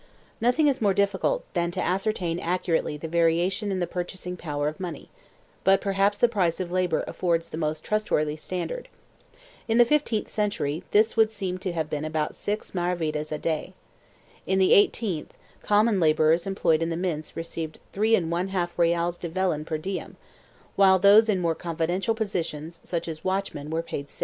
Nothing is more difficult than to ascertain accurately the variation in the purchasing power of money, but perhaps the price of labor affords the most trustworthy standard. In the fifteenth century this would seem to have been about 6 maravedis a day. In the eighteenth, common laborers employed in the mints received 3J reales de vellon per diem, while those in more confidential positions such as watchmen were paid 6.